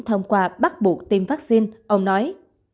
thông qua bắt buộc tiêm vaccine ông nói